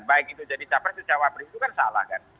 baik itu jadi capres atau cawapres itu kan salah kan